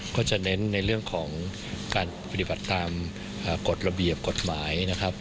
ก็จะเน้นในเรื่องของการปฏิบัติตามกฎระเบียบกฎหมายนะครับ